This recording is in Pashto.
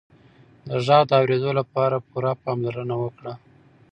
د غږ د اورېدو لپاره پوره پاملرنه وکړه.